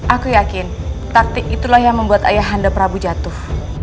aku yakin taktik itulah yang membuat ayah handa prabu jatuh